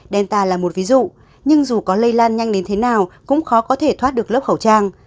delta là một ví dụ nhưng dù có lây lan nhanh đến thế nào cũng khó có thể thoát được lớp khẩu trang